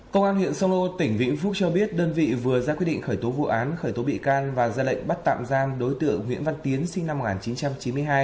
công an huyện sông lô tỉnh vĩnh phúc cho biết đơn vị vừa ra quyết định khởi tố vụ án khởi tố bị can và ra lệnh bắt tạm giam đối tượng nguyễn văn tiến sinh năm một nghìn chín trăm chín mươi hai